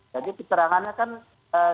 jadi keterangannya kan satu